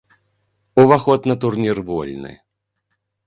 Уваход на турнір вольны.